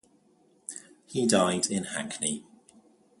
He died in Hackney.